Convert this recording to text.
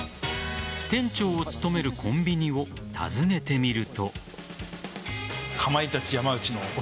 店長を務めるコンビニを訪ねてみると。